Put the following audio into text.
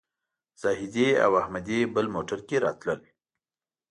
زاهدي او احمدي بل موټر کې راتلل.